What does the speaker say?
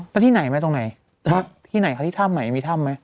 แล้วที่ไหนไหมตรงไหนที่ไหนคะที่ถ้ำไหนมีถ้ำไหม